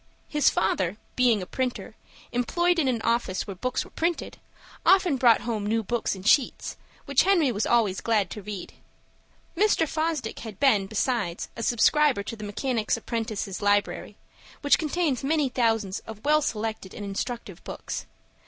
His father, being a printer, employed in an office where books were printed, often brought home new books in sheets, which Henry was always glad to read. Mr. Fosdick had been, besides, a subscriber to the Mechanics' Apprentices' Library, which contains many thousands of well selected and instructive books.